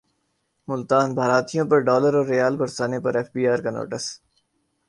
ملتان باراتیوں پرڈالراورریال برسانے پرایف بی رکانوٹس